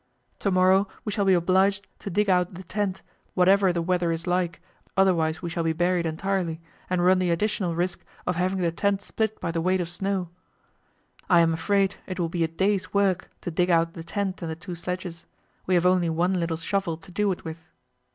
To morrow we shall be obliged to dig out the tent, whatever the weather is like, otherwise we shall be buried entirely, and run the additional risk of having the tent split by the weight of snow. I am afraid it will be a day's work to dig out the tent and the two sledges; we have only one little shovel to do it with.